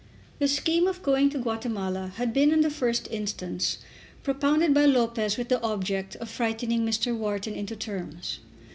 That scheme of going to Guatemala had been in the first instance propounded by Lopez with the object of frightening Mr. Wharton into terms.